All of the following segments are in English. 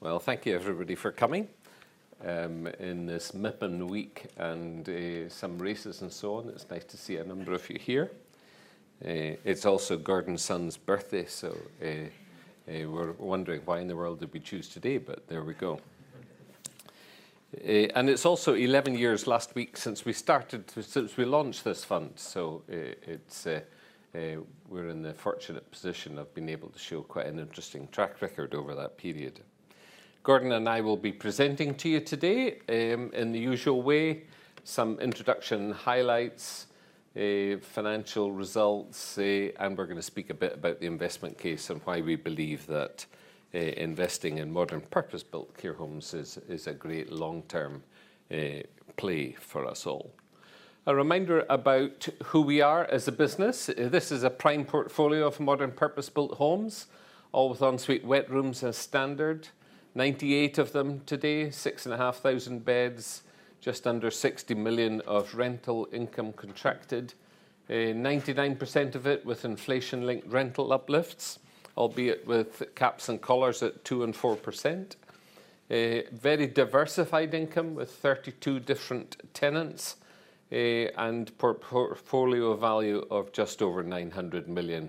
Well, thank you, everybody, for coming, in this MIPIM week and, some races and so on. It's nice to see a number of you here. It's also Gordon Bland's birthday, so, we're wondering why in the world did we choose today, but there we go. It's also 11 years last week since we started to since we launched this fund, so, it's, we're in the fortunate position of being able to show quite an interesting track record over that period. Gordon and I will be presenting to you today, in the usual way: some introduction highlights, financial results, and we're going to speak a bit about the investment case and why we believe that, investing in modern purpose-built care homes is, is a great long-term, play for us all. A reminder about who we are as a business: this is a prime portfolio of modern purpose-built homes, all with ensuite wet rooms as standard, 98 of them today, 6,500 beds, just under 60 million of rental income contracted, 99% of it with inflation-linked rental uplifts, albeit with caps and collars at 2% and 4%, very diversified income with 32 different tenants, and portfolio value of just over 900 million,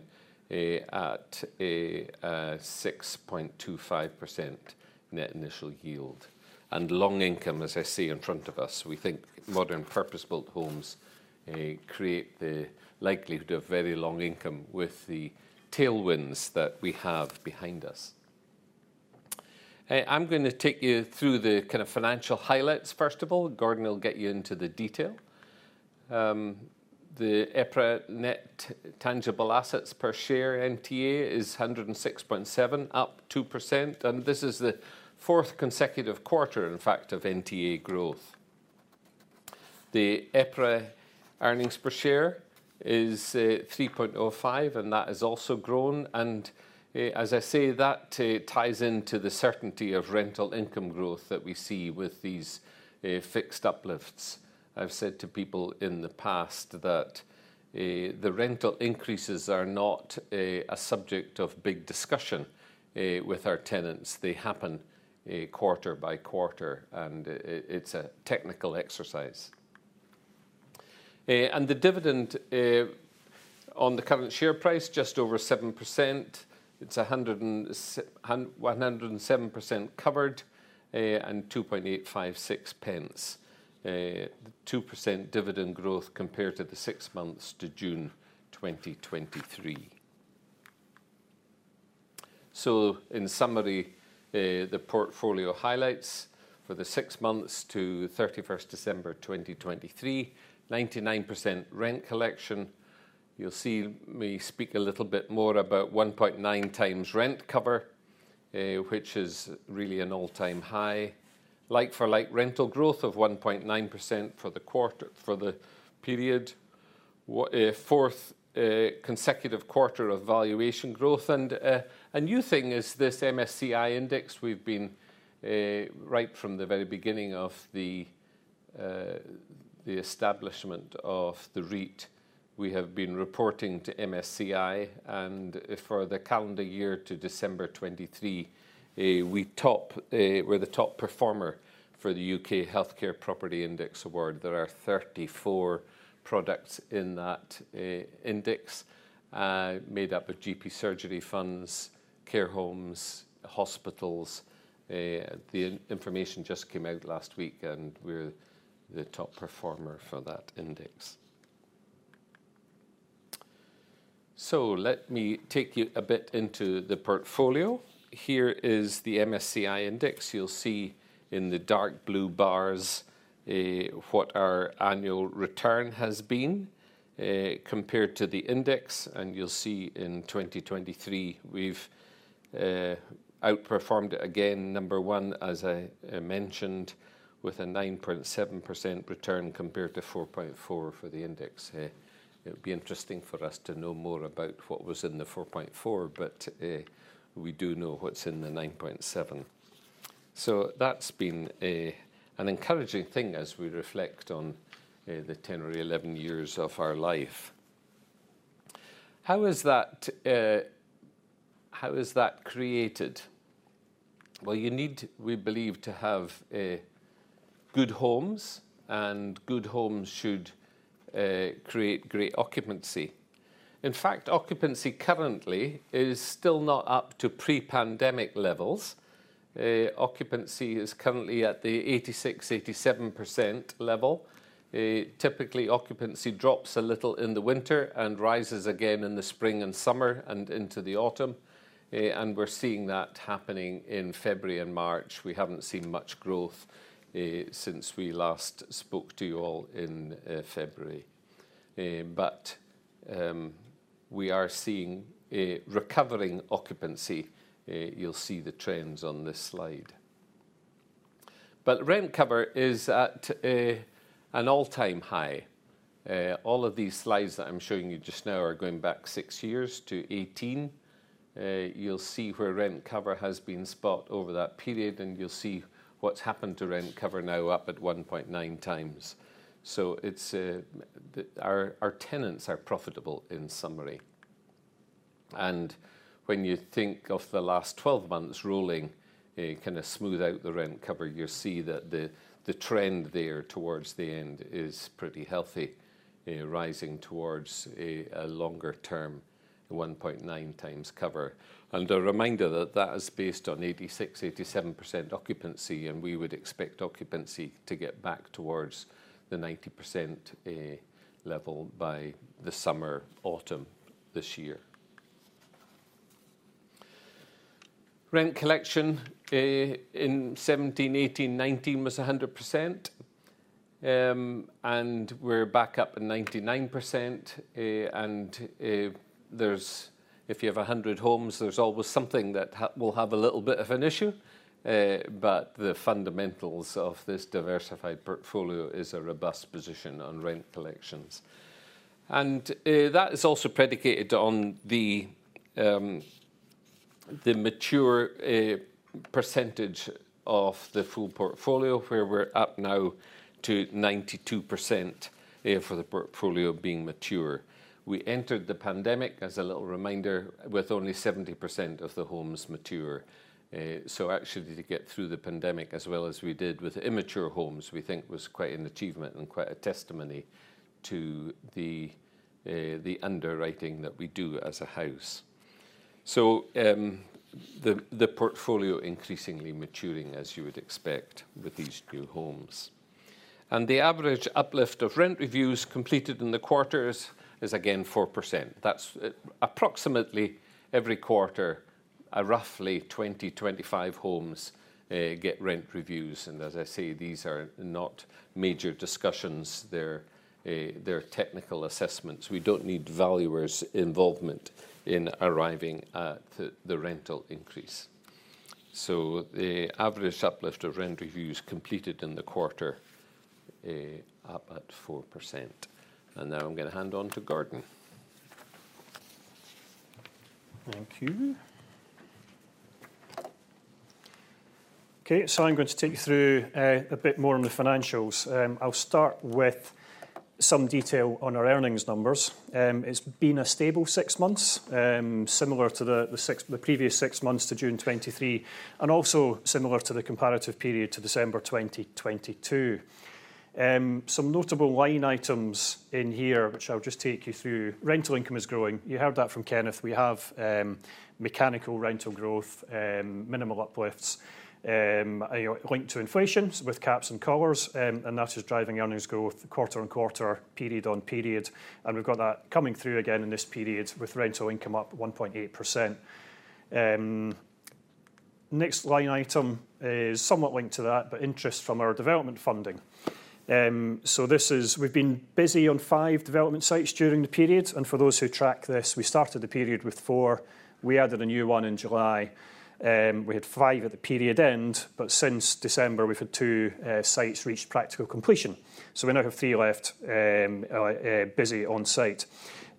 at 6.25% net initial yield. And long income, as I see in front of us. We think modern purpose-built homes create the likelihood of very long income with the tailwinds that we have behind us. I'm going to take you through the kind of financial highlights first of all. Gordon will get you into the detail. The EPRA net tangible assets per share NTA is 106.7, up 2%, and this is the fourth consecutive quarter, in fact, of NTA growth. The EPRA earnings per share is 3.05, and that has also grown. And, as I say, that ties into the certainty of rental income growth that we see with these fixed uplifts. I've said to people in the past that the rental increases are not a subject of big discussion with our tenants. They happen quarter by quarter, and it's a technical exercise. And the dividend, on the current share price, just over 7%. It's 107% covered, and 2.856 pence, 2% dividend growth compared to the six months to June 2023. So, in summary, the portfolio highlights for the six months to December 31, 2023: 99% rent collection. You'll see me speak a little bit more about 1.9 times rent cover, which is really an all-time high. Like-for-like rental growth of 1.9% for the quarter for the period. Our fourth consecutive quarter of valuation growth. A new thing is this MSCI index. We've been, right from the very beginning of the, the establishment of the REIT, we have been reporting to MSCI. And for the calendar year to December 2023, we're the top performer for the U.K. Healthcare Property Index Award. There are 34 products in that index, made up of GP surgery funds, care homes, hospitals. The information just came out last week, and we're the top performer for that index. So let me take you a bit into the portfolio. Here is the MSCI index. You'll see in the dark blue bars, what our annual return has been, compared to the index. You'll see in 2023 we've outperformed it again, number one, as I mentioned, with a 9.7% return compared to 4.4% for the index. It would be interesting for us to know more about what was in the 4.4%, but we do know what's in the 9.7%. So that's been an encouraging thing as we reflect on the 10 or 11 years of our life. How is that? How is that created? Well, you need, we believe, to have good homes, and good homes should create great occupancy. In fact, occupancy currently is still not up to pre-pandemic levels. Occupancy is currently at the 86%-87% level. Typically, occupancy drops a little in the winter and rises again in the spring and summer and into the autumn. And we're seeing that happening in February and March. We haven't seen much growth since we last spoke to you all in February. but we are seeing recovering occupancy. You'll see the trends on this slide. But rent cover is at an all-time high. All of these slides that I'm showing you just now are going back six years to 2018. You'll see where rent cover has been spot over that period, and you'll see what's happened to rent cover now, up at 1.9 times. So it's our tenants are profitable, in summary. And when you think of the last 12 months rolling, kind of smooth out the rent cover, you'll see that the trend there towards the end is pretty healthy, rising towards a longer-term 1.9 times cover. And a reminder that that is based on 86%-87% occupancy, and we would expect occupancy to get back towards the 90% level by the summer/autumn this year. Rent collection in 2017, 2018, 2019 was 100%. And we're back up at 99%. And, there's if you have 100 homes, there's always something that'll have a little bit of an issue. But the fundamentals of this diversified portfolio is a robust position on rent collections. And, that is also predicated on the, the maturity percentage of the full portfolio, where we're up now to 92%, for the portfolio being mature. We entered the pandemic, as a little reminder, with only 70% of the homes mature. So actually, to get through the pandemic as well as we did with immature homes, we think was quite an achievement and quite a testimony to the, the underwriting that we do as a house. So, the, the portfolio increasingly maturing, as you would expect, with these new homes. And the average uplift of rent reviews completed in the quarters is, again, 4%. That's approximately every quarter, roughly 20-25 homes get rent reviews. And as I say, these are not major discussions. They're, they're technical assessments. We don't need valuers' involvement in arriving at the, the rental increase. So the average uplift of rent reviews completed in the quarter up at 4%. And now I'm going to hand over to Gordon. Thank you. Okay, so I'm going to take you through a bit more on the financials. I'll start with some detail on our earnings numbers. It's been a stable six months, similar to the previous six months to June 2023, and also similar to the comparative period to December 2022. Some notable line items in here, which I'll just take you through. Rental income is growing. You heard that from Kenneth. We have mechanical rental growth, minimal uplifts, linked to inflation with caps and collars. And that is driving earnings growth quarter-on-quarter, period-on-period. We've got that coming through again in this period with rental income up 1.8%. Next line item is somewhat linked to that, but interest from our development funding. So this is we've been busy on five development sites during the period. And for those who track this, we started the period with four. We added a new one in July. We had five at the period end, but since December, we've had two sites reach practical completion. So we now have three left busy on site.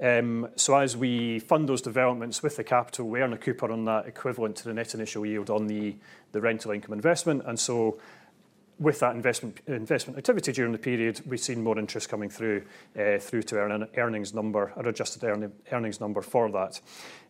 So as we fund those developments with the capital, we earn a coupon on that equivalent to the net initial yield on the rental income investment. And so with that investment activity during the period, we've seen more interest coming through to our earnings number, our adjusted earnings number for that.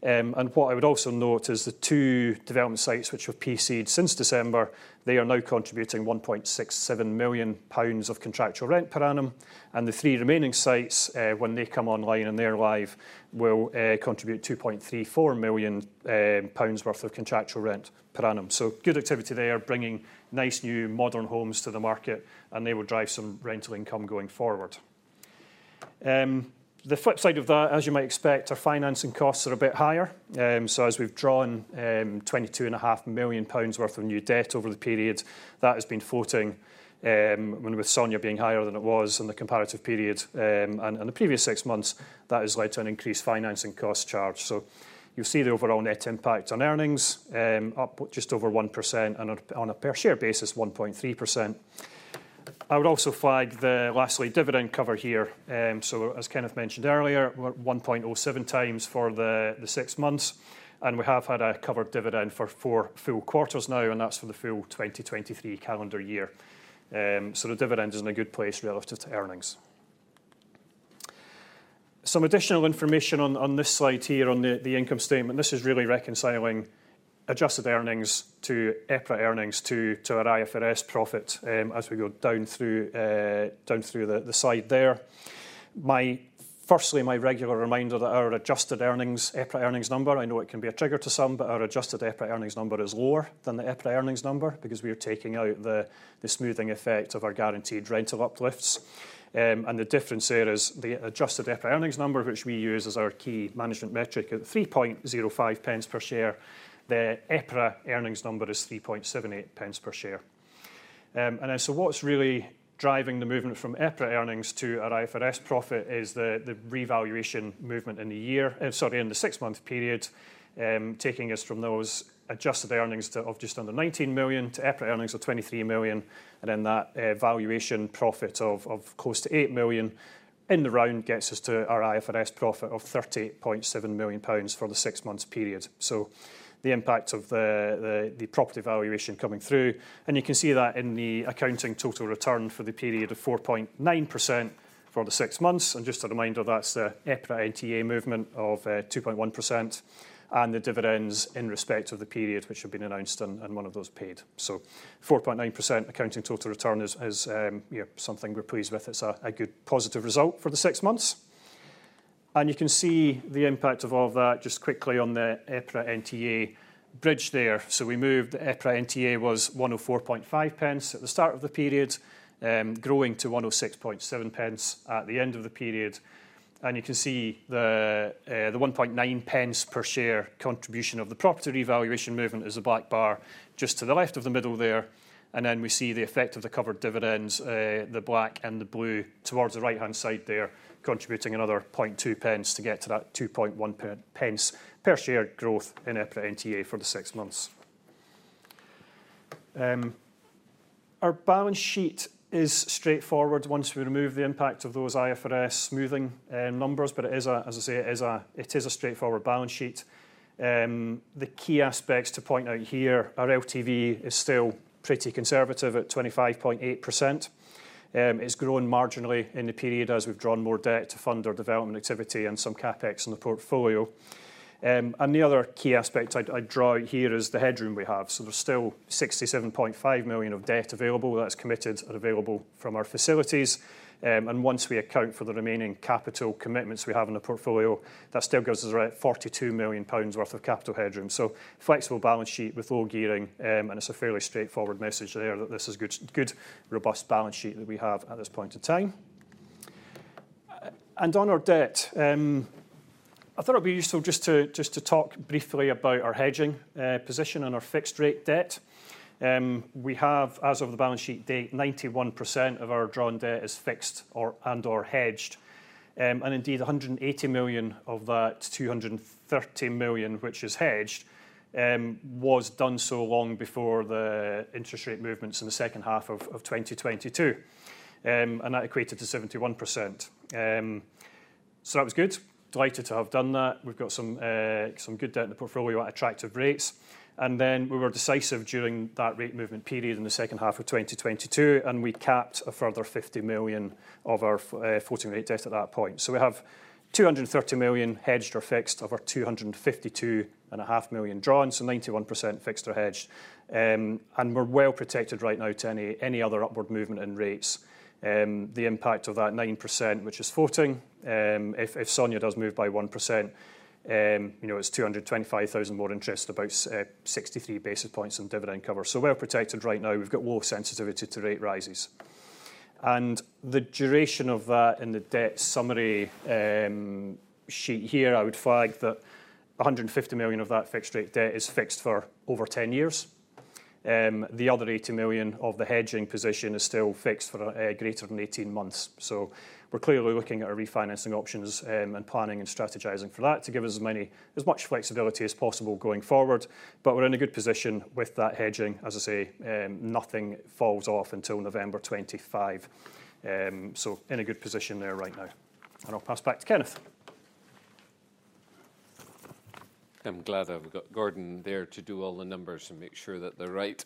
And what I would also note is the two development sites which have PC'd since December; they are now contributing 1.67 million pounds of contractual rent per annum. And the three remaining sites, when they come online and they're live, will contribute 2.34 million pounds worth of contractual rent per annum. So good activity there, bringing nice new modern homes to the market, and they will drive some rental income going forward. The flip side of that, as you might expect, our financing costs are a bit higher. So as we've drawn 22.5 million pounds worth of new debt over the period, that has been floating, with SONIA being higher than it was in the comparative period and the previous six months, that has led to an increased financing cost charge. So you'll see the overall net impact on earnings up just over 1% and on a per share basis, 1.3%. I would also flag the lastly, dividend cover here. So as Kenneth mentioned earlier, we're 1.07 times for the six months. And we have had a covered dividend for four full quarters now, and that's for the full 2023 calendar year. So the dividend is in a good place relative to earnings. Some additional information on this slide here on the income statement. This is really reconciling adjusted earnings to EPRA earnings to a IFRS profit, as we go down through the slide there. Firstly, my regular reminder that our adjusted earnings, EPRA earnings number I know it can be a trigger to some, but our adjusted EPRA earnings number is lower than the EPRA earnings number because we are taking out the smoothing effect of our guaranteed rental uplifts. And the difference there is the adjusted EPRA earnings number, which we use as our key management metric, at 0.0305 per share. The EPRA earnings number is 0.0378 per share. So what's really driving the movement from EPRA earnings to an IFRS profit is the revaluation movement in the six-month period, taking us from those adjusted earnings to of just under 19 million to EPRA earnings of 23 million. And then that valuation profit of close to 8 million in the round gets us to our IFRS profit of 38.7 million pounds for the six-month period. So the impact of the property valuation coming through. And you can see that in the accounting total return for the period of 4.9% for the six months. And just a reminder, that's the EPRA NTA movement of 2.1% and the dividends in respect of the period, which have been announced and one of those paid. So 4.9% accounting total return is, you know, something we're pleased with. It's a good positive result for the six months. You can see the impact of all that just quickly on the EPRA NTA bridge there. So the EPRA NTA was 1.045 at the start of the period, growing to 1.067 at the end of the period. You can see the 1.9 pence per share contribution of the property revaluation movement is a black bar just to the left of the middle there. Then we see the effect of the covered dividends, the black and the blue towards the right-hand side there, contributing another 0.002 to get to that 0.021 per share growth in EPRA NTA for the six months. Our balance sheet is straightforward once we remove the impact of those IFRS smoothing numbers. But it is a, as I say, straightforward balance sheet. The key aspects to point out here are LTV is still pretty conservative at 25.8%. It's grown marginally in the period as we've drawn more debt to fund our development activity and some CapEx in the portfolio. And the other key aspect I'd draw out here is the headroom we have. So there's still 67.5 million of debt available that's committed and available from our facilities. And once we account for the remaining capital commitments we have in the portfolio, that still gives us around 42 million pounds worth of capital headroom. So flexible balance sheet with low gearing. And it's a fairly straightforward message there that this is a good, good, robust balance sheet that we have at this point in time. On our debt, I thought it would be useful just to, just to talk briefly about our hedging position and our fixed-rate debt. We have, as of the balance sheet date, 91% of our drawn debt fixed or and/or hedged. And indeed, 180 million of that, 230 million, which is hedged, was done so long before the interest rate movements in the second half of, of 2022. And that equated to 71%. So that was good. Delighted to have done that. We've got some, some good debt in the portfolio at attractive rates. And then we were decisive during that rate movement period in the second half of 2022, and we capped a further 50 million of our floating rate debt at that point. So we have 230 million hedged or fixed of our 252.5 million drawn, so 91% fixed or hedged. We're well protected right now to any, any other upward movement in rates. The impact of that 9%, which is floating, if, if SONIA does move by 1%, you know, it's 225,000 more interest about, 63 basis points in dividend cover. So well protected right now. We've got low sensitivity to rate rises. And the duration of that in the debt summary, sheet here, I would flag that 150 million of that fixed-rate debt is fixed for over 10 years. The other 80 million of the hedging position is still fixed for, greater than 18 months. So we're clearly looking at our refinancing options, and planning and strategizing for that to give us as many as much flexibility as possible going forward. But we're in a good position with that hedging. As I say, nothing falls off until November 25. So in a good position there right now. And I'll pass back to Kenneth. I'm glad that we've got Gordon there to do all the numbers and make sure that they're right.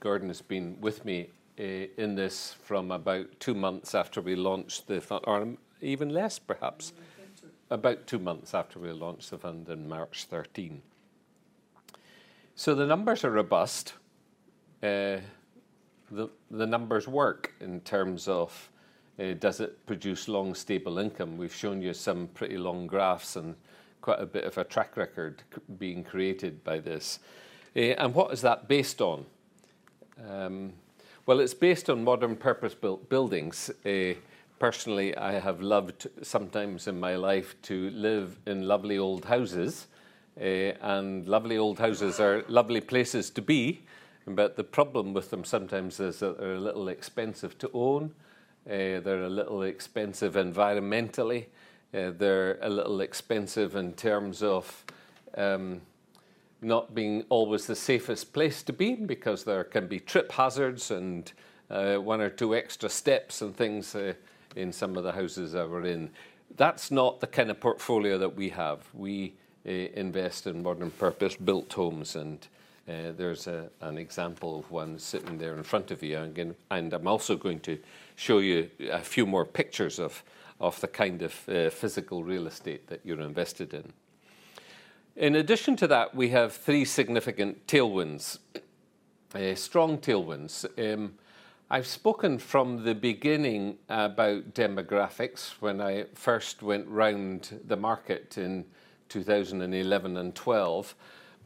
Gordon has been with me, in this from about two months after we launched the fund, or even less, perhaps, about two months after we launched the fund in March 2013. So the numbers are robust. The numbers work in terms of, does it produce long, stable income? We've shown you some pretty long graphs and quite a bit of a track record being created by this. What is that based on? Well, it's based on modern purpose-built buildings. Personally, I have loved sometimes in my life to live in lovely old houses. Lovely old houses are lovely places to be. But the problem with them sometimes is that they're a little expensive to own. They're a little expensive environmentally. They're a little expensive in terms of not being always the safest place to be because there can be trip hazards and one or two extra steps and things in some of the houses that we're in. That's not the kind of portfolio that we have. We invest in modern purpose-built homes. And there's an example of one sitting there in front of you. And again, I'm also going to show you a few more pictures of the kind of physical real estate that you're invested in. In addition to that, we have three significant tailwinds, strong tailwinds. I've spoken from the beginning about demographics when I first went round the market in 2011 and 2012.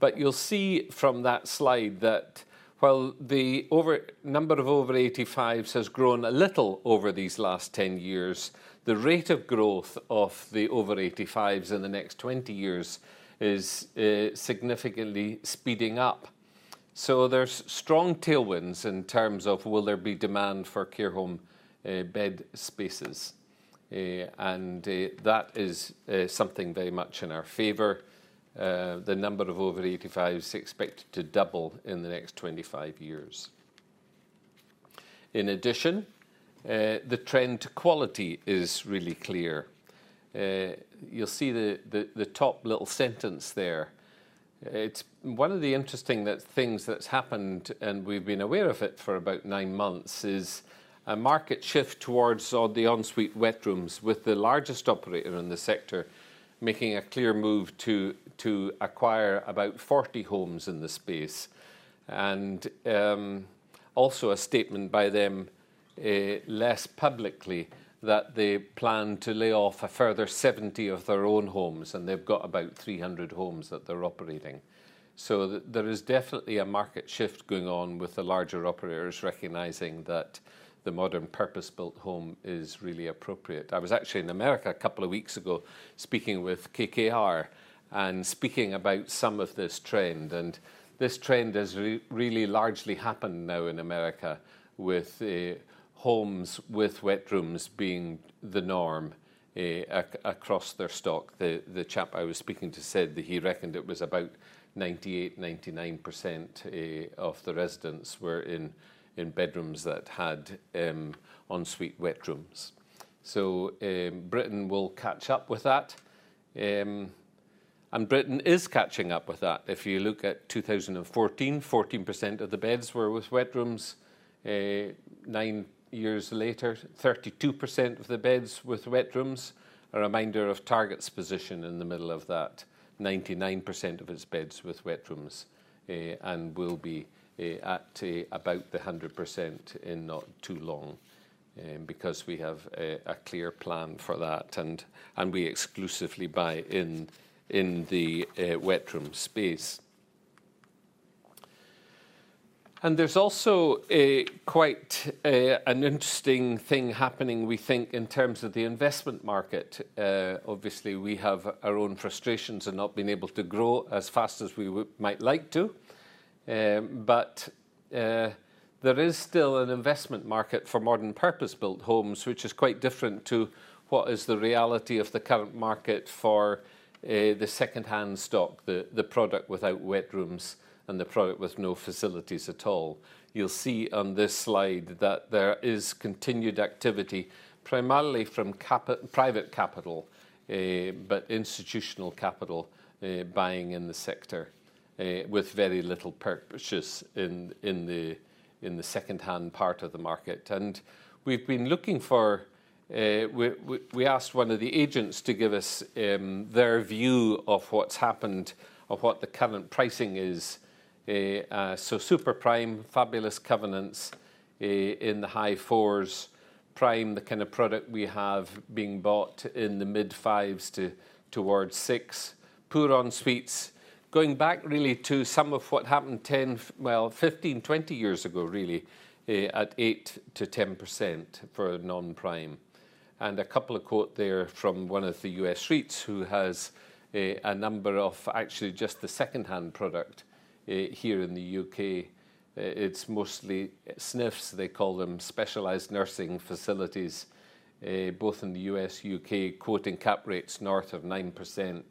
But you'll see from that slide that while the overall number of over 85s has grown a little over these last 10 years, the rate of growth of the over 85s in the next 20 years is significantly speeding up. So there's strong tailwinds in terms of will there be demand for care home bed spaces? And that is something very much in our favor. The number of over 85s is expected to double in the next 25 years. In addition, the trend to quality is really clear. You'll see the, the, the top little sentence there. It's one of the interesting things that's happened, and we've been aware of it for about 9 months, is a market shift towards the ensuite wet rooms with the largest operator in the sector making a clear move to acquire about 40 homes in the space. And, also a statement by them, less publicly that they plan to lay off a further 70 of their own homes. And they've got about 300 homes that they're operating. So there is definitely a market shift going on with the larger operators recognizing that the modern purpose-built home is really appropriate. I was actually in America a couple of weeks ago speaking with KKR and speaking about some of this trend. And this trend has really largely happened now in America with homes with wet rooms being the norm, across their stock. The chap I was speaking to said that he reckoned it was about 98%-99% of the residents were in bedrooms that had ensuite wet rooms. So, Britain will catch up with that. And Britain is catching up with that. If you look at 2014, 14% of the beds were with wet rooms. Nine years later, 32% of the beds with wet rooms. A reminder of Target's position in the middle of that, 99% of its beds with wet rooms, and will be at about the 100% in not too long, because we have a clear plan for that. And we exclusively buy in the wet room space. And there's also quite an interesting thing happening, we think, in terms of the investment market. Obviously, we have our own frustrations and not being able to grow as fast as we might like to. But there is still an investment market for modern purpose-built homes, which is quite different to what is the reality of the current market for the secondhand stock, the product without wet rooms and the product with no facilities at all. You'll see on this slide that there is continued activity, primarily from private capital, but institutional capital, buying in the sector, with very little purchase in the secondhand part of the market. We've been looking for; we asked one of the agents to give us their view of what's happened, of what the current pricing is. Super prime, fabulous covenants, in the high 4s. Prime, the kind of product we have being bought in the mid 5s to towards six. Poor ensuites. Going back really to some of what happened 10, well, 15, 20 years ago, really, at 8%-10% for non-prime. A couple of quotes there from one of the U.S. REITs who has a number of actually just the secondhand product here in the U.K.. It's mostly SNFs, they call them, specialised nursing facilities, both in the U.S., U.K., quoting cap rates north of 9%.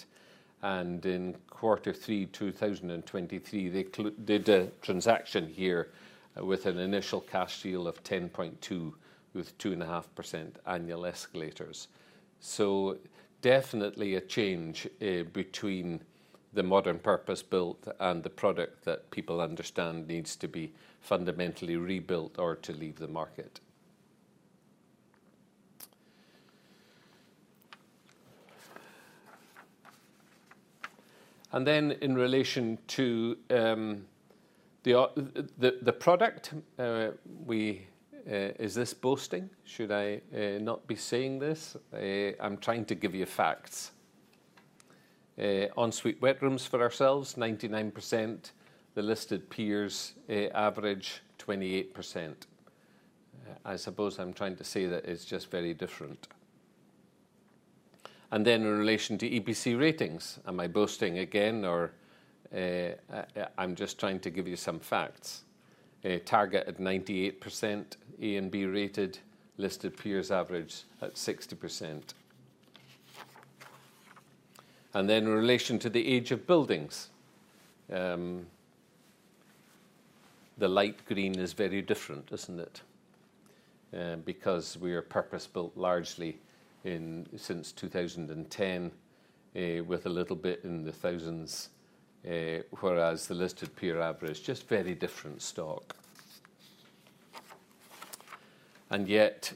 And in quarter three 2023, they did a transaction here with an initial cash yield of 10.2% with 2.5% annual escalators. So definitely a change, between the modern purpose-built and the product that people understand needs to be fundamentally rebuilt or to leave the market. And then in relation to the product, is this boasting? Should I not be saying this? I'm trying to give you facts. Ensuite wet rooms for ourselves, 99%. The listed peers, average 28%. I suppose I'm trying to say that it's just very different. And then in relation to EPC ratings, am I boasting again or, I'm just trying to give you some facts? Target at 98% A and B rated. Listed peers average at 60%. And then in relation to the age of buildings, the light green is very different, isn't it? Because we are purpose-built largely in since 2010, with a little bit in the thousands, whereas the listed peer average just very different stock. And yet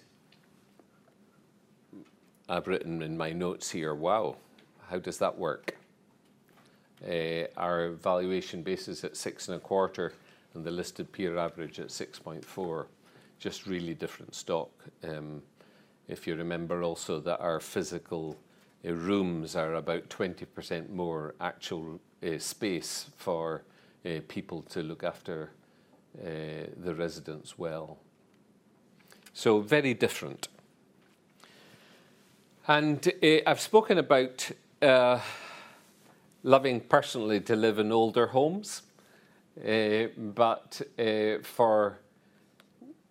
I've written in my notes here, wow, how does that work? Our valuation base is at 6.25% and the listed peer average at 6.4%. Just really different stock. If you remember also that our physical rooms are about 20% more actual space for people to look after the residents well. So very different. And I've spoken about loving personally to live in older homes. But for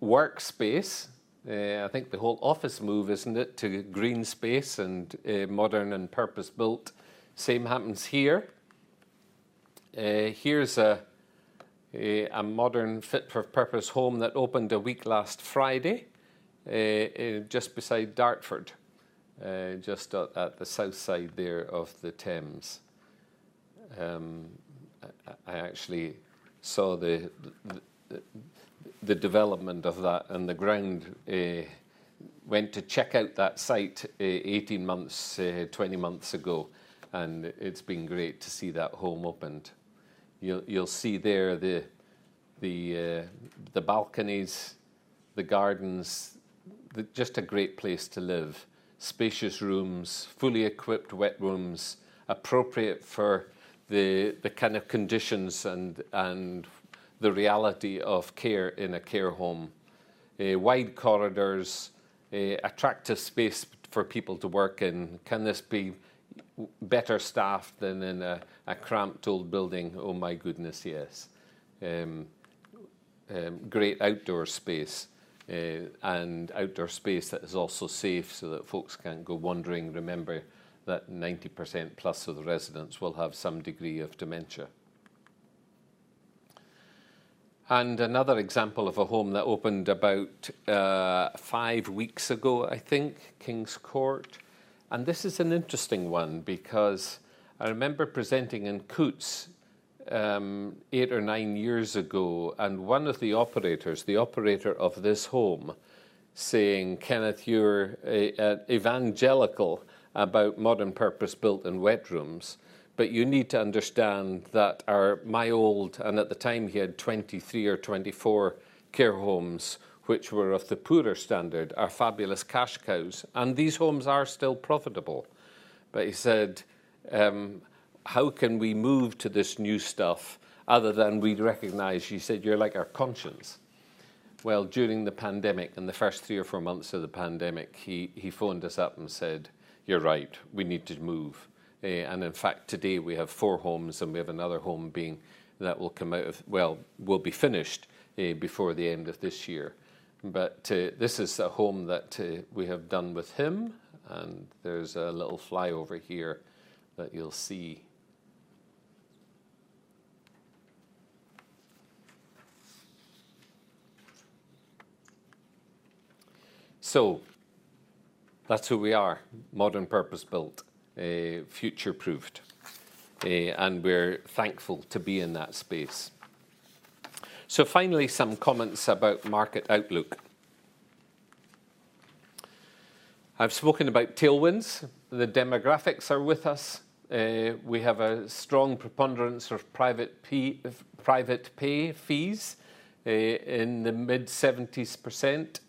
workspace, I think the whole office move, isn't it, to green space and modern and purpose-built, same happens here. Here's a modern fit for purpose home that opened a week last Friday, just beside Dartford, just at the south side there of the Thames. I actually saw the development of that and the ground, went to check out that site, 18 months, 20 months ago. It's been great to see that home opened. You'll see there the balconies, the gardens, just a great place to live. Spacious rooms, fully equipped wet rooms, appropriate for the kind of conditions and the reality of care in a care home. Wide corridors, attractive space for people to work in. Can this be better staffed than in a cramped old building? Oh my goodness, yes. Great outdoor space, and outdoor space that is also safe so that folks can't go wandering. Remember that 90%+ of the residents will have some degree of dementia. Another example of a home that opened about 5 weeks ago, I think, King's Court. This is an interesting one because I remember presenting in Coutts eight or nine years ago, and one of the operators, the operator of this home, saying, "Kenneth, you're evangelical about modern purpose-built and wet rooms. But you need to understand that our my old," and at the time he had 23 or 24 care homes, which were of the poorer standard, "are fabulous cash cows. And these homes are still profitable." But he said, how can we move to this new stuff other than we recognise?" He said, "You're like our conscience." Well, during the pandemic and the first three or four months of the pandemic, he phoned us up and said, "You're right. We need to move." And in fact, today we have four homes and we have another home being that will come out of, will be finished before the end of this year. But this is a home that we have done with him. And there's a little flyover here that you'll see. So that's who we are, modern purpose-built, future-proofed, and we're thankful to be in that space. So finally, some comments about market outlook. I've spoken about tailwinds. The demographics are with us. We have a strong preponderance of private pay fees, in the mid-70%.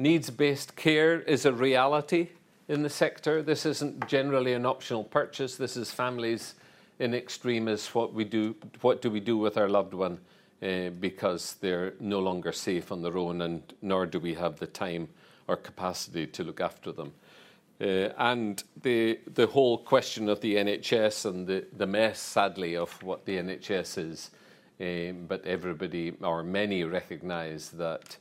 Needs-based care is a reality in the sector. This isn't generally an optional purchase. This is families in extremis: what do we do, what do we do with our loved one, because they're no longer safe on their own and nor do we have the time or capacity to look after them. And the whole question of the NHS and the mess, sadly, of what the NHS is. But everybody or many recognize that,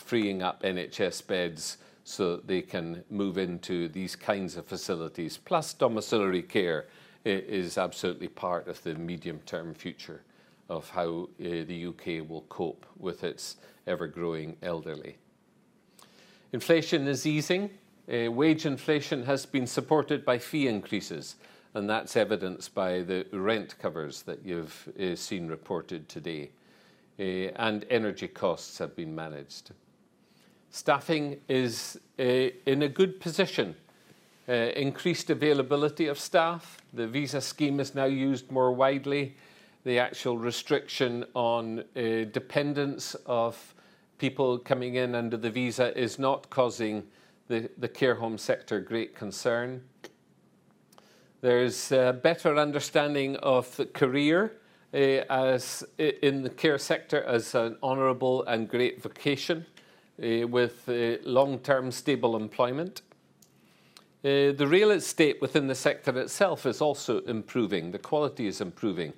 freeing up NHS beds so that they can move into these kinds of facilities, plus domiciliary care, is absolutely part of the medium-term future of how the U.K. will cope with its ever-growing elderly. Inflation is easing. Wage inflation has been supported by fee increases. And that's evidenced by the rent covers that you've seen reported today. And energy costs have been managed. Staffing is in a good position. Increased availability of staff. The visa scheme is now used more widely. The actual restriction on dependence of people coming in under the visa is not causing the care home sector great concern. There's a better understanding of the carer, as in the care sector, as an honorable and great vocation, with long-term stable employment. The real estate within the sector itself is also improving. The quality is improving,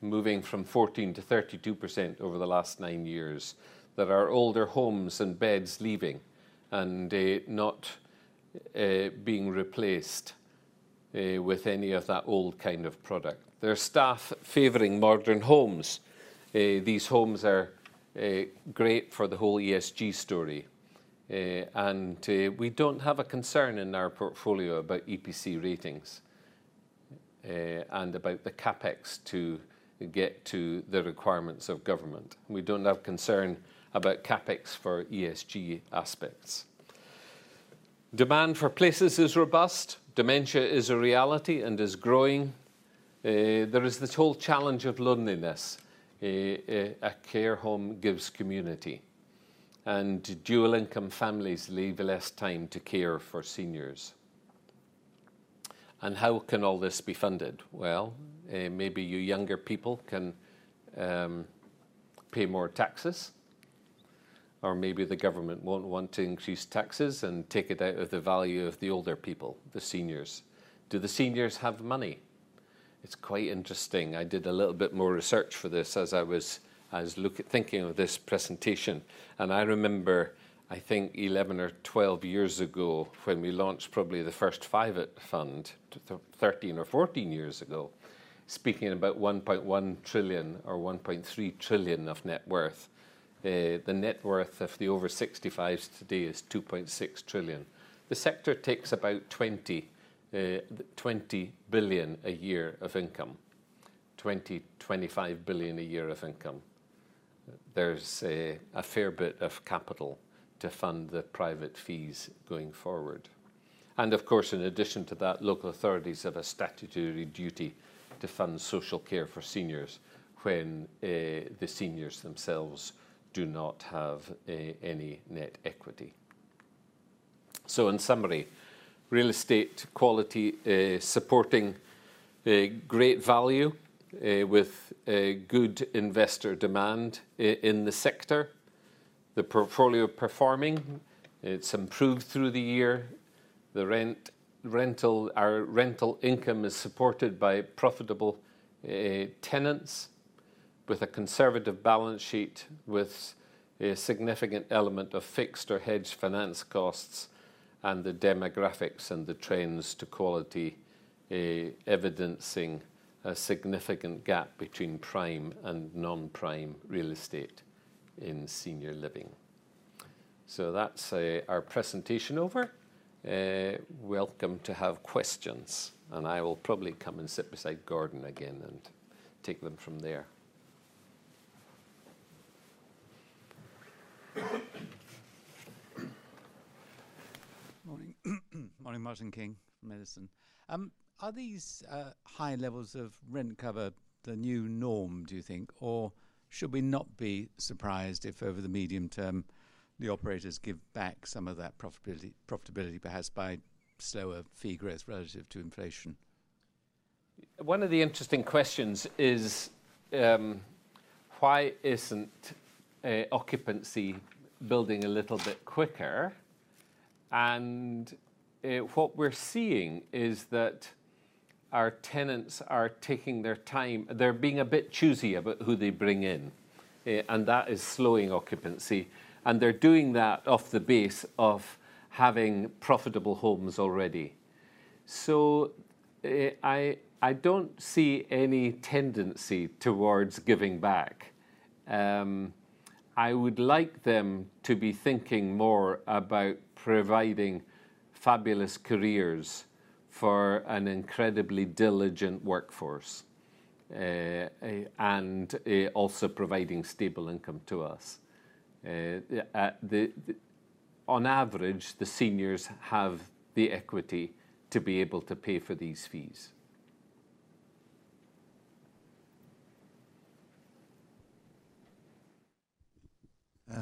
moving from 14%-32% over the last nine years. There are older homes and beds leaving and not being replaced with any of that old kind of product. There are staff favoring modern homes. These homes are great for the whole ESG story. And we don't have a concern in our portfolio about EPC ratings, and about the CapEx to get to the requirements of government. We don't have concern about CapEx for ESG aspects. Demand for places is robust. Dementia is a reality and is growing. There is this whole challenge of loneliness. A care home gives community. And dual-income families leave less time to care for seniors. And how can all this be funded? Well, maybe you younger people can pay more taxes. Or maybe the government won't want to increase taxes and take it out of the value of the older people, the seniors. Do the seniors have money? It's quite interesting. I did a little bit more research for this as I was as looking at thinking of this presentation. And I remember, I think, 11 or 12 years ago when we launched probably the first Target fund, 13 or 14 years ago, speaking about 1.1 trillion or 1.3 trillion of net worth. The net worth of the over 65s today is 2.6 trillion. The sector takes about 20-20 billion a year of income, 20-25 billion a year of income. There's a fair bit of capital to fund the private fees going forward. And of course, in addition to that, local authorities have a statutory duty to fund social care for seniors when the seniors themselves do not have any net equity. So in summary, real estate quality supporting great value with good investor demand in the sector. The portfolio performing. It's improved through the year. The rent rental our rental income is supported by profitable tenants with a conservative balance sheet with a significant element of fixed or hedged finance costs and the demographics and the trends to quality evidencing a significant gap between prime and non-prime real estate in senior living. So that's our presentation over. Welcome to have questions. And I will probably come and sit beside Gordon again and take them from there. Morning. Morning, Martin King from Edison. Are these high levels of rent cover the new norm, do you think? Or should we not be surprised if over the medium term the operators give back some of that profitability, profitability perhaps by slower fee growth relative to inflation? One of the interesting questions is, why isn't occupancy building a little bit quicker? And, what we're seeing is that our tenants are taking their time. They're being a bit choosy about who they bring in. And that is slowing occupancy. And they're doing that off the base of having profitable homes already. So, I don't see any tendency towards giving back. I would like them to be thinking more about providing fabulous careers for an incredibly diligent workforce, and also providing stable income to us. On average, the seniors have the equity to be able to pay for these fees.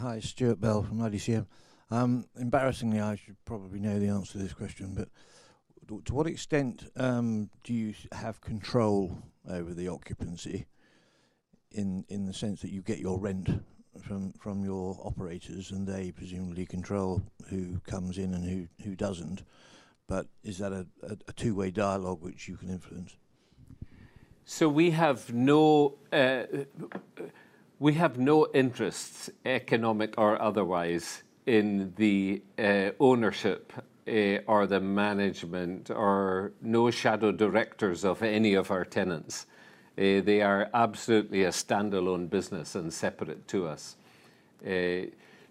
Hi, Stuart Bell from IDCM. Embarrassingly, I should probably know the answer to this question. But to what extent do you have control over the occupancy in the sense that you get your rent from your operators and they presumably control who comes in and who doesn't? But is that a two-way dialogue which you can influence? So we have no interests, economic or otherwise, in the ownership or the management or no shadow directors of any of our tenants. They are absolutely a standalone business and separate to us.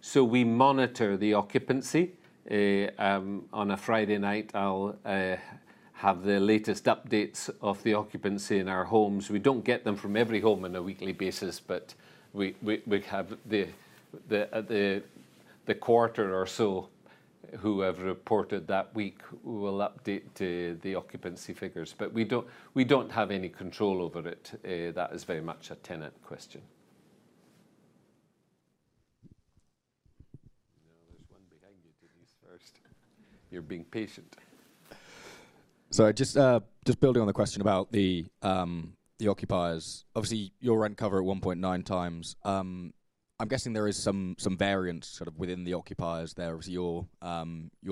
So we monitor the occupancy. On a Friday night, I'll have the latest updates of the occupancy in our homes. We don't get them from every home on a weekly basis, but we have the quarter or so who have reported that week will update the occupancy figures. But we don't have any control over it. That is very much a tenant question. No, there's one behind you. Did you first? You're being patient. Sorry, just building on the question about the occupiers. Obviously, your rent cover at 1.9 times. I'm guessing there is some variance sort of within the occupiers there. Obviously, your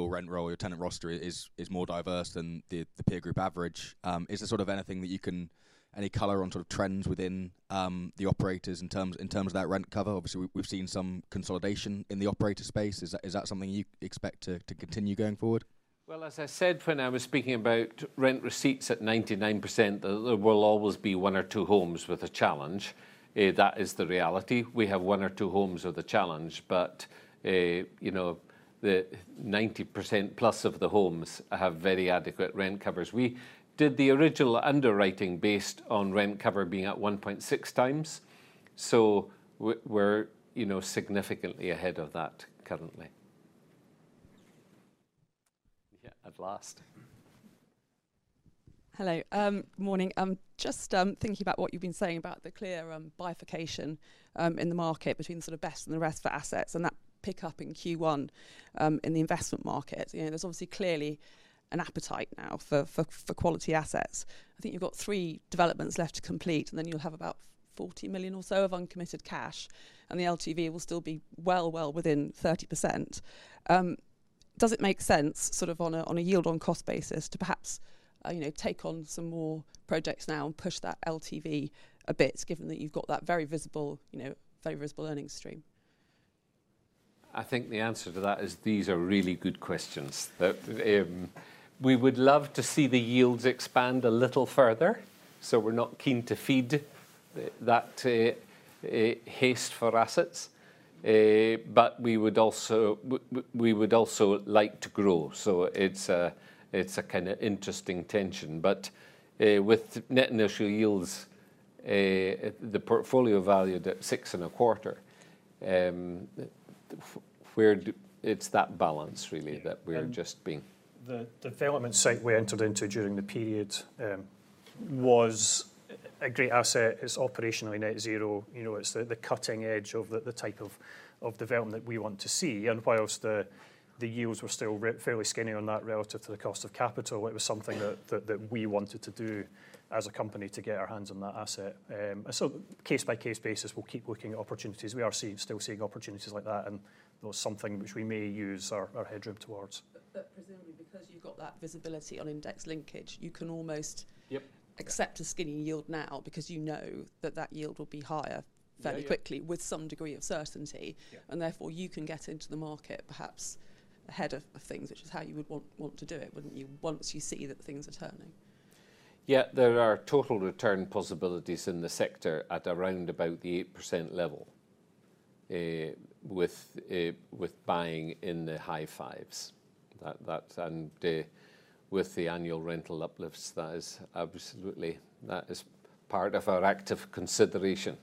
rent roll, your tenant roster is more diverse than the peer group average. Is there sort of anything that you can any color on sort of trends within the operators in terms of that rent cover? Obviously, we've seen some consolidation in the operator space. Is that something you expect to continue going forward? Well, as I said when I was speaking about rent receipts at 99%, there will always be one or two homes with a challenge. That is the reality. We have one or two homes with a challenge. But, you know, the 90%+ of the homes have very adequate rent covers. We did the original underwriting based on rent cover being at 1.6x. So we're, you know, significantly ahead of that currently. Yeah, at last. Hello, morning. I'm just thinking about what you've been saying about the clear bifurcation in the market between the sort of best and the rest for assets and that pickup in Q1 in the investment market. You know, there's obviously clearly an appetite now for quality assets. I think you've got three developments left to complete, and then you'll have about 40 million or so of uncommitted cash. And the LTV will still be well, well within 30%. Does it make sense sort of on a yield-on-cost basis to perhaps, you know, take on some more projects now and push that LTV a bit given that you've got that very visible, you know, very visible earnings stream? I think the answer to that is these are really good questions. That, we would love to see the yields expand a little further. So we're not keen to feed that haste for assets. But we would also like to grow. So it's a kind of interesting tension. But, with net initial yields, the portfolio valued at 6.25, where it's that balance, really, that we're just being. The development site we entered into during the period was a great asset. It's operationally net zero. You know, it's the cutting edge of the type of development that we want to see. And whilst the yields were still fairly skinny on that relative to the cost of capital, it was something that we wanted to do as a company to get our hands on that asset. And so, case-by-case basis, we'll keep looking at opportunities. We are still seeing opportunities like that. And that was something which we may use our headroom towards. But presumably because you've got that visibility on index linkage, you can almost accept a skinny yield now because you know that that yield will be higher fairly quickly with some degree of certainty. And therefore, you can get into the market perhaps ahead of things, which is how you would want to do it, wouldn't you, once you see that things are turning? Yeah, there are total return possibilities in the sector at around about the 8% level, with buying in the high fives. That and with the annual rental uplifts, that is absolutely part of our active consideration.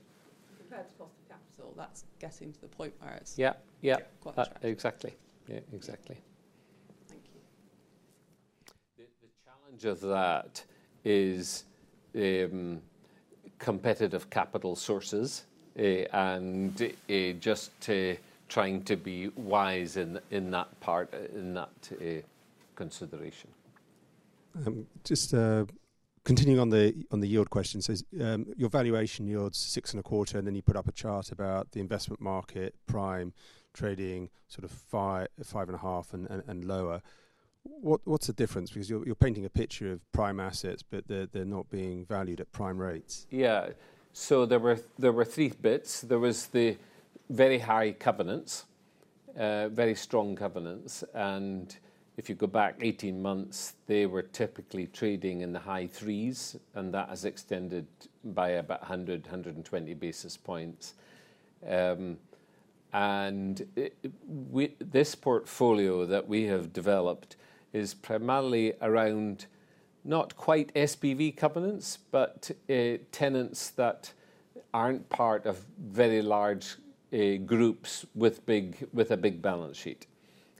Compared to cost of capital, that's getting to the point where it's quite attractive. Yeah, yeah. Exactly. Yeah, exactly. Thank you. The challenge of that is competitive capital sources, and just trying to be wise in that part, in that consideration. Just, continuing on the yield question. So, your valuation yields 6.25%. And then you put up a chart about the investment market, prime trading sort of 5.5% and lower. What's the difference? Because you're painting a picture of prime assets, but they're not being valued at prime rates. Yeah. So there were three bits. There was the very high covenants, very strong covenants. And if you go back 18 months, they were typically trading in the high threes. And that has extended by about 100-120 basis points. And this portfolio that we have developed is primarily around not quite SBV covenants, but tenants that aren't part of very large groups with a big balance sheet.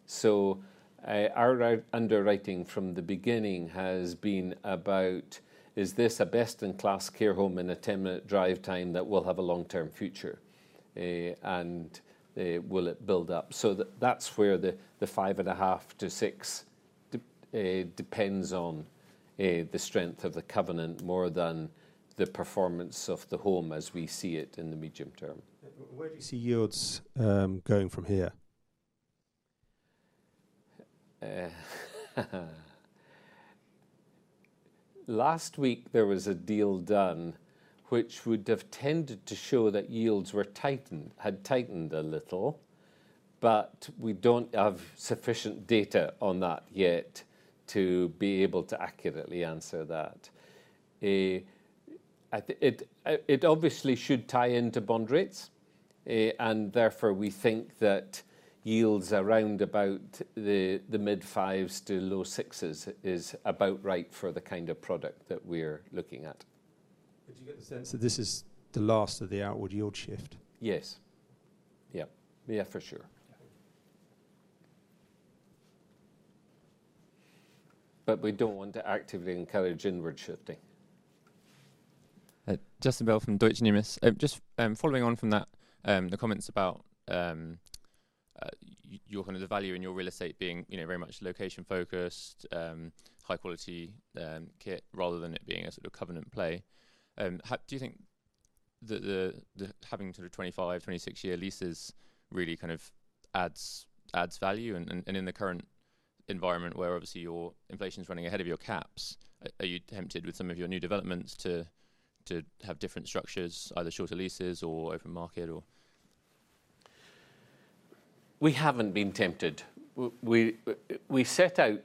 So, our underwriting from the beginning has been about, is this a best-in-class care home in a 10-minute drive time that will have a long-term future? And, will it build up? So that's where the 5.5-6 depends on the strength of the covenant more than the performance of the home as we see it in the medium term. Where do you see yields going from here? Last week, there was a deal done which would have tended to show that yields were tightened, had tightened a little. But we don't have sufficient data on that yet to be able to accurately answer that. It obviously should tie into bond rates. And therefore, we think that yields around about the mid-fives to low sixes is about right for the kind of product that we're looking at. Do you get the sense that this is the last of the outward yield shift? Yes. Yeah. Yeah, for sure. But we don't want to actively encourage inward shifting. Justin Bell from Deutsche Numis. Just following on from that, the comments about your kind of the value in your real estate being, you know, very much location-focused, high-quality kit rather than it being a sort of covenant play. Do you think that having sort of 25- and 26-year leases really kind of adds value? And in the current environment where obviously your inflation's running ahead of your caps, are you tempted with some of your new developments to have different structures, either shorter leases or open market or? We haven't been tempted. We set out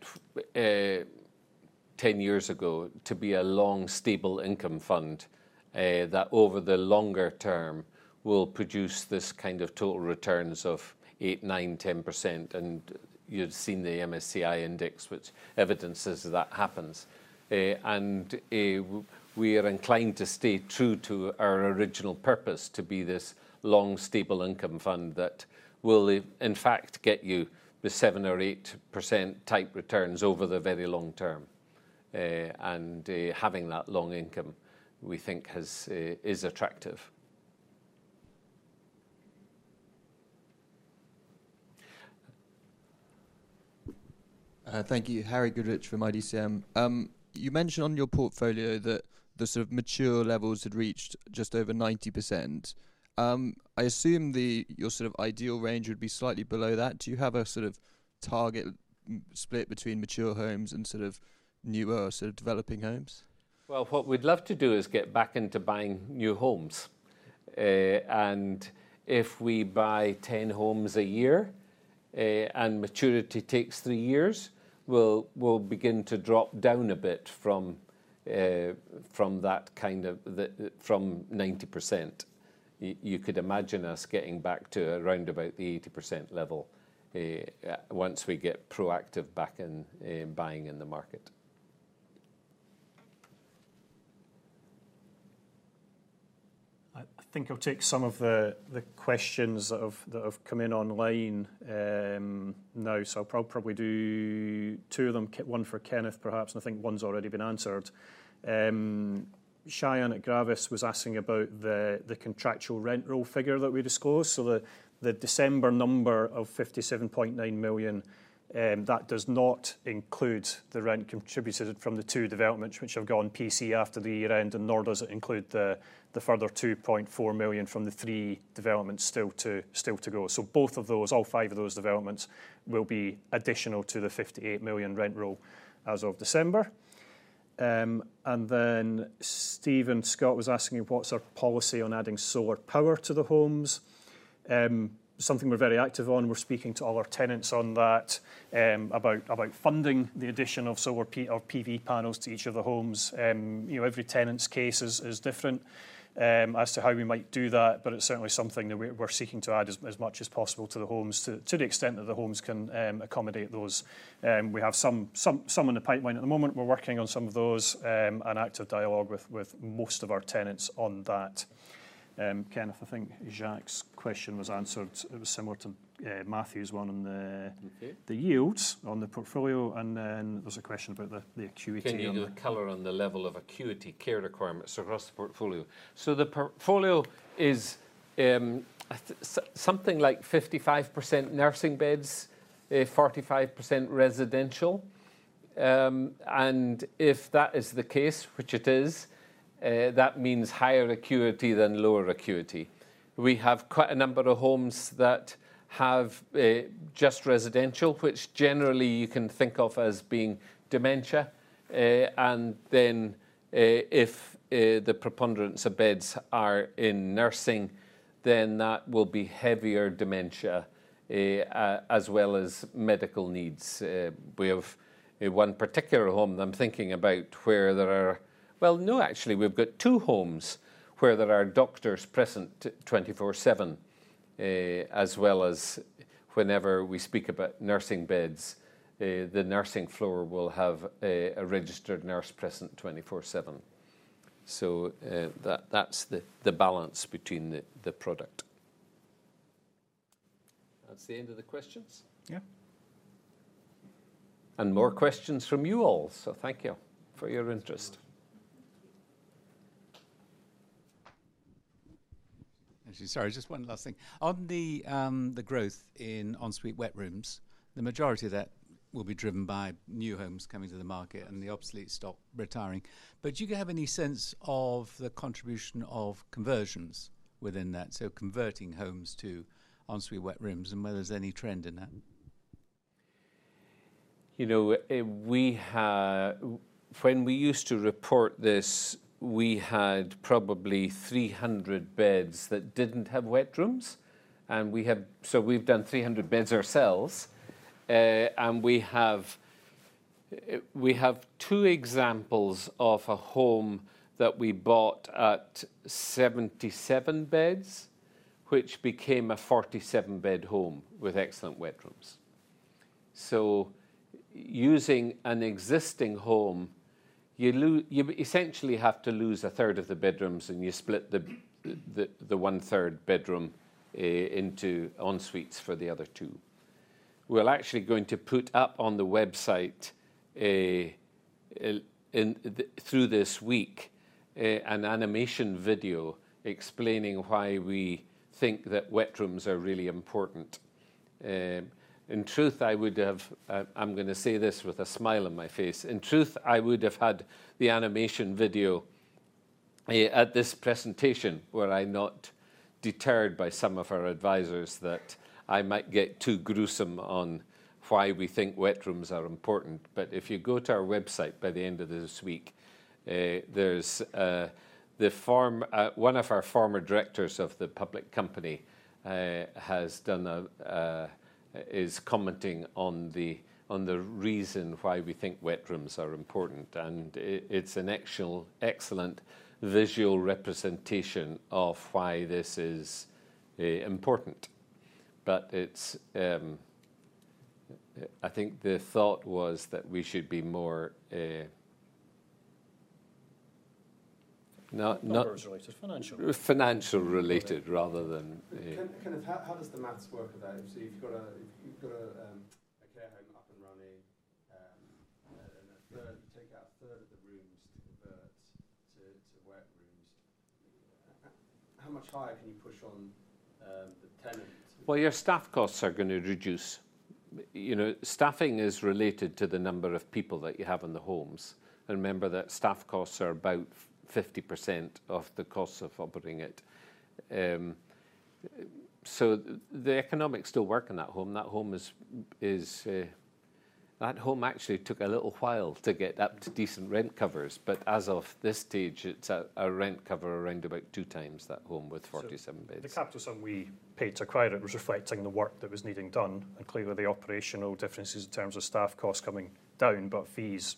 10 years ago to be a long, stable income fund that over the longer term will produce this kind of total returns of 8%, 9%, 10%. You've seen the MSCI index, which evidences that that happens. We are inclined to stay true to our original purpose to be this long, stable income fund that will, in fact, get you the 7% or 8% type returns over the very long term. Having that long income, we think, is attractive. Thank you, Harry Goodrich from IDCM. You mentioned on your portfolio that the sort of mature levels had reached just over 90%. I assume your sort of ideal range would be slightly below that. Do you have a sort of target split between mature homes and sort of newer or sort of developing homes? Well, what we'd love to do is get back into buying new homes. And if we buy 10 homes a year, and maturity takes three years, we'll begin to drop down a bit from that kind of 90%. You could imagine us getting back to around about the 80% level once we get proactive back in buying in the market. I think I'll take some of the questions that have come in online now. So I'll probably do two of them, one for Kenneth, perhaps. And I think one's already been answered. Shayan at Gravis was asking about the contractual rent roll figure that we disclosed. So the December number of 57.9 million, that does not include the rent contributed from the two developments, which have gone PC after the year-end. And nor does it include the further 2.4 million from the three developments still to go. So both of those, all five of those developments, will be additional to the 58 million rent roll as of December. And then Stephen Scott was asking what's our policy on adding solar power to the homes? Something we're very active on. We're speaking to all our tenants on that about funding the addition of solar or PV panels to each of the homes. You know, every tenant's case is different as to how we might do that. But it's certainly something that we're seeking to add as much as possible to the homes, to the extent that the homes can accommodate those. We have some in the pipeline at the moment. We're working on some of those and active dialogue with most of our tenants on that. Kenneth, I think Jacques's question was answered. It was similar to Matthew's one on the yields on the portfolio. And then there was a question about the acuity. Can you give a color on the level of acuity, care requirements across the portfolio? So the portfolio is something like 55% nursing beds, 45% residential. And if that is the case, which it is, that means higher acuity than lower acuity. We have quite a number of homes that have just residential, which generally you can think of as being dementia. And then if the preponderance of beds are in nursing, then that will be heavier dementia as well as medical needs. We have one particular home that I'm thinking about where there are well, no, actually. We've got two homes where there are doctors present 24/7. As well as whenever we speak about nursing beds, the nursing floor will have a registered nurse present 24/7. So that's the balance between the product. That's the end of the questions. Yeah. More questions from you all. Thank you for your interest. Actually, sorry. Just one last thing. On the growth in en-suite wet rooms, the majority of that will be driven by new homes coming to the market and the obsolete stock retiring. But do you have any sense of the contribution of conversions within that, so converting homes to en-suite wet rooms, and whether there's any trend in that? You know, when we used to report this, we had probably 300 beds that didn't have wet rooms. And we have, so we've done 300 beds ourselves. We have two examples of a home that we bought at 77 beds, which became a 47-bed home with excellent wet rooms. Using an existing home, you essentially have to lose a third of the bedrooms. You split the one-third bedroom into en-suites for the other two. We're actually going to put up on the website through this week an animation video explaining why we think that wet rooms are really important. In truth, I would have. I'm going to say this with a smile on my face. In truth, I would have had the animation video at this presentation were I not deterred by some of our advisors that I might get too gruesome on why we think wet rooms are important. But if you go to our website by the end of this week, there's the former one of our former directors of the public company has done a is commenting on the reason why we think wet rooms are important. And it's an excellent visual representation of why this is important. But I think the thought was that we should be more not. Number is related to financial. Financial-related rather than. Kenneth, how does the maths work about it? So if you've got a care home up and running, and you take out a third of the rooms to convert to wet rooms, how much higher can you push on the tenant? Well, your staff costs are going to reduce. You know, staffing is related to the number of people that you have in the homes. And remember that staff costs are about 50% of the costs of operating it. So the economics still work in that home. That home actually took a little while to get up to decent rent covers. But as of this stage, it's a rent cover around about two times that home with 47 beds. The capital sum we paid to acquire it was reflecting the work that was needing done. Clearly, the operational differences in terms of staff costs coming down, but fees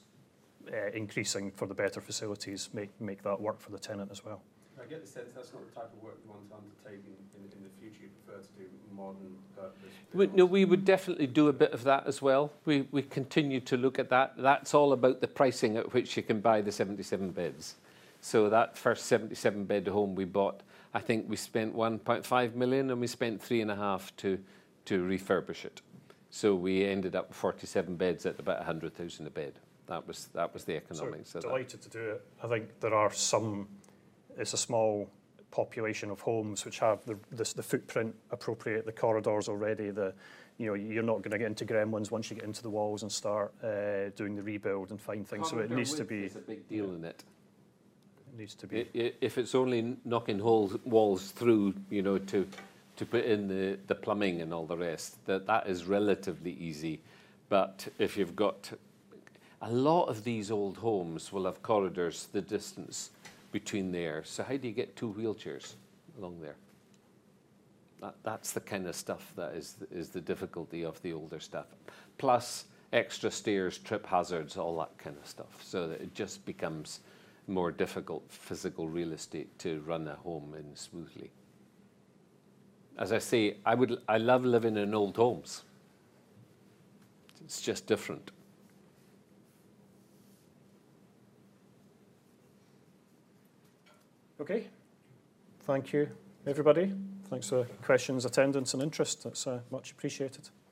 increasing for the better facilities make that work for the tenant as well. I get the sense. That's not the type of work you want to undertake in the future. You prefer to do modern purpose. No, we would definitely do a bit of that as well. We continue to look at that. That's all about the pricing at which you can buy the 77 beds. So that first 77-bed home we bought, I think we spent 1.5 million. And we spent 3.5 million to refurbish it. So we ended up with 47 beds at about 100,000 a bed. That was the economics. Delighted to do it. I think there are some. It's a small population of homes which have the footprint appropriate, the corridors already. You're not going to get into gremlins once you get into the walls and start doing the rebuild and find things. So it needs to be. There's a big deal in it. It needs to be. If it's only knocking walls through to put in the plumbing and all the rest, that is relatively easy. But if you've got a lot of these old homes will have corridors, the distance between there. So how do you get two wheelchairs along there? That's the kind of stuff that is the difficulty of the older stuff, plus extra stairs, trip hazards, all that kind of stuff. So it just becomes more difficult physical real estate to run a home in smoothly. As I say, I love living in old homes. It's just different. OK. Thank you, everybody. Thanks for questions, attendance, and interest. That's much appreciated.